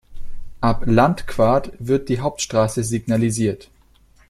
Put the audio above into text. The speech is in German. Ab Landquart wird die Hauptstrasse signalisiert.